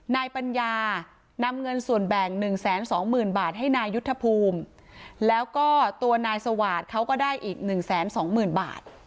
นายปัญญานำเงินส่วนแบ่งหนึ่งแสนสองหมื่นบาทให้นายยุทธภูมิแล้วก็ตัวนายสวาสตร์เขาก็ได้อีกหนึ่งแสนสองหมื่นบาท